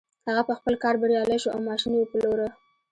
هغه په خپل کار بريالی شو او ماشين يې وپلوره.